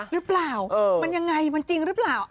หรือเปล่ามันยังไงมันจริงหรือเปล่า